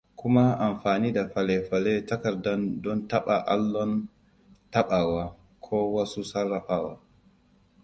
Kuma amfani da fele-fele takarda don taɓa allon taɓawa ko wasu sarrafawa.